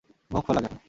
মুখ ফোলা কেন?